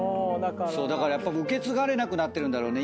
だからやっぱ受け継がれなくなってるんだろうね